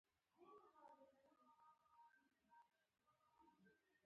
دښمن تل د طمعې سترګې لري